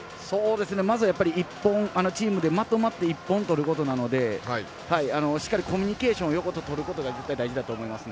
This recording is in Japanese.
まず、チームでまとまって１本取ることなのでしっかりコミュニケーションをとることが絶対大事だと思います。